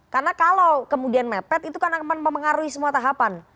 karena kalau kemudian mepet itu kan akan memengaruhi semua tahapan